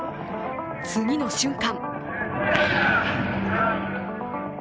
次の瞬間